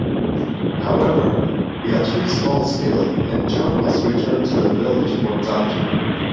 However, Beatrice falls ill and John must return to the village for a doctor.